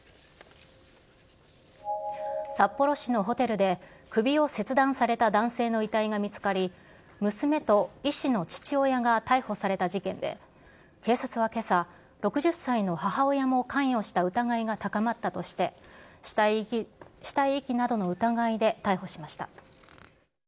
札幌市のホテルで、首を切断された男性の遺体が見つかり、娘と医師の父親が逮捕された事件で、警察はけさ、６０歳の母親も関与した疑いが高まったとして、死体遺棄などの疑いで逮捕しました。